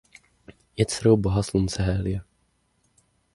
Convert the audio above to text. Je dcerou boha slunce Hélia.